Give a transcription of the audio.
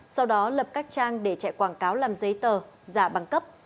sau đó lập các trang để chạy quảng cáo làm giấy tờ giả bằng cấp